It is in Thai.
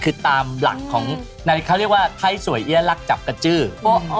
คือตามหลักของนายเขาเรียกว่าไทยสวยแอ๊ะลักจับกัจจืน